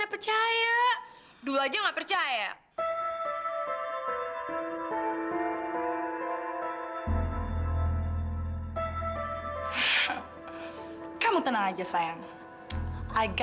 ya sebenarnya sih